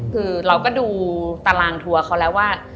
คือเราก็ดูตารางทัวร์เขาแล้วว่า